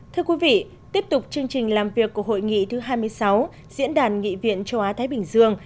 thưa quý vị tiếp tục chương trình làm việc của hội nghị thứ hai mươi sáu diễn đàn nghị viện châu á thái bình dương